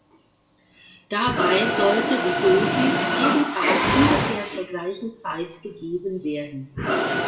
Dabei sollte die Dosis jeden Tag ungefähr zur gleichen Zeit gegeben werden.